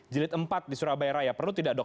jilid empat di surabaya raya perlu tidak dok